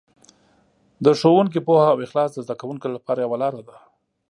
د ښوونکي پوهه او اخلاص د زده کوونکو لپاره یوه لاره ده.